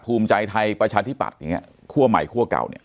ภูมิใจไทยประชาธิบัติคั่วใหม่คั่วเก่า